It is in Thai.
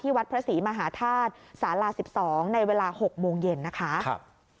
วัดพระศรีมหาธาตุสาลา๑๒ในเวลา๖โมงเย็นนะคะ